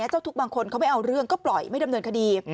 เจ้าทุกข์บางคนเขาไม่เอาเรื่องก็ปล่อยไม่ดำเนินคดี